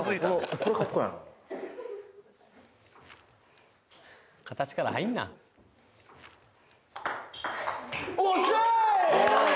これかっこええな形から入んなフー！